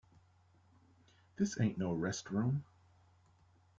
This ain't no rest-room.